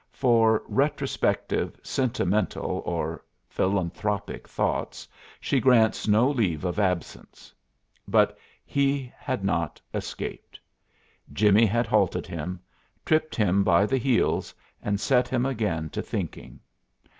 For retrospective, sentimental, or philanthropic thoughts she grants no leave of absence. But he had not escaped. Jimmie had halted him, tripped him by the heels and set him again to thinking.